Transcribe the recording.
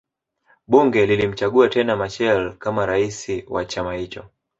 Bunge lilimchagua tena Machel kama Rais wa chama hicho